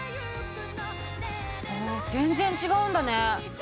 あ全然違うんだね。